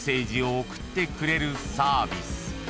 おくってくれるサービス］